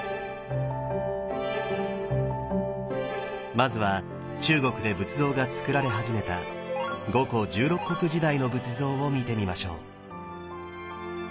まずは中国で仏像がつくられ始めた五胡十六国時代の仏像を見てみましょう。